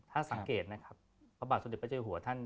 ถ้าสังเกตนะครับพระบาทสมเด็จพระเจ้าหัวท่าน